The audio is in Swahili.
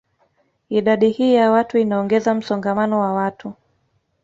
Idadi hii ya watu inaongeza msongamano wa watu